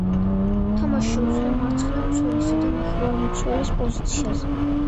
თამაში შეუძლია მარცხენა მცველისა თუ ნახევარმცველის პოზიციაზე.